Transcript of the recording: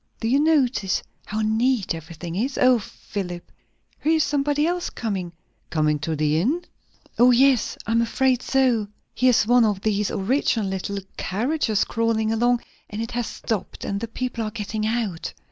Do you notice how neat everything is? O Philip! here is somebody else coming!" "Coming to the inn?" "Yes. O, I'm afraid so. Here's one of these original little carriages crawling along, and it has stopped, and the people are getting out.